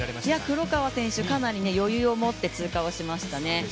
黒川選手、かなり余裕を持って通過をしましたね。